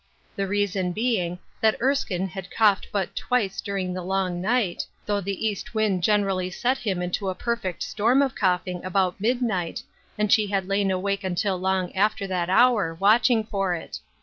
The reason being, that Erskine had coughed but twice during the long night, though the east wind generally set him into a perfect storm of coughing about mid night, and she had lain awake until long after that hour, watching for it.